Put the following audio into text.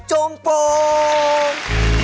จมโปรก